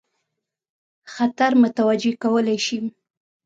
خطر متوجه کولای شي.